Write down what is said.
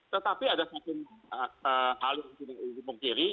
tetapi ada satu hal yang dihubungkiri